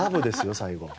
最後。